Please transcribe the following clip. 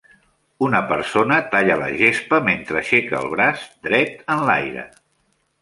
Una persona talla la gespa mentre aixeca el braç dret enlaire.